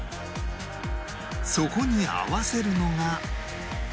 そこに合わせるのが